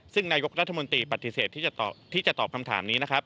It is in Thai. ซึ่งนายกรัฐมนตรีปฏิเสธที่จะตอบคำถามนี้นะครับ